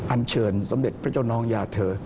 อันเชิญสมเด็จพระเจ้าน้องยาเธอ